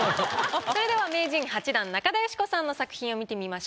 それでは名人８段中田喜子さんの作品を見てみましょう。